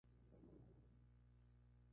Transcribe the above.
Sin embargo, su contenido en sodio es más alto.